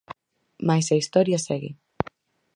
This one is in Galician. Mais a historia segue.